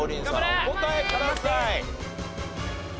お答えください。